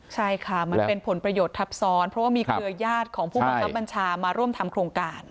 ใช่ค่ะมันเป็นผลประโยชน์ทับซ้อนเพราะว่ามีเครือญาติของผู้บังคับบัญชามาร่วมทำโครงการ